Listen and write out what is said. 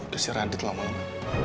kesih radyat lo sama lo